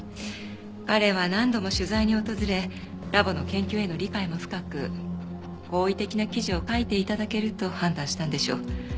彼は何度も取材に訪れラボの研究への理解も深く好意的な記事を書いて頂けると判断したんでしょう。